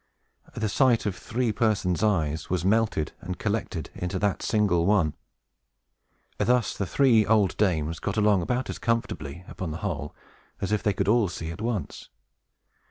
The sight of three persons' eyes was melted and collected into that single one. Thus the three old dames got along about as comfortably, upon the whole, as if they could all see at once.